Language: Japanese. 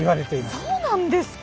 そうなんですか！？